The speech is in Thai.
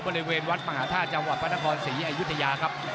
บริเวณวัดมหาธาตุจังหวัดพระนครศรีอยุธยาครับ